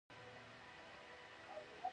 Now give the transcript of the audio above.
پسه د افغان کلتور سره تړاو لري.